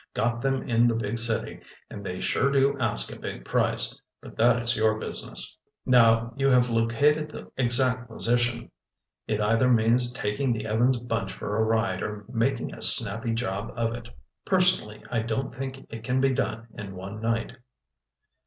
Got them in the big city and they sure do ask a big price. But that is your business. "Now you have located the exact position, it either means taking the Evans' bunch for a ride or making a snappy job of it. Personally I don't think it can be done in one night.